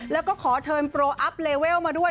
แล้วก็ขอเทิร์นโปรอัพเลเวลมาด้วย